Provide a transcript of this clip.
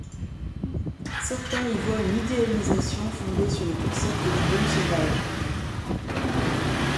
Certains y voient une idéalisation fondée sur le concept du bon sauvage.